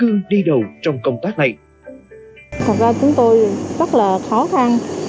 chứ tỷ lệ đồng thuận bảy mươi mới chỉ gỡ khó cho một bộ phân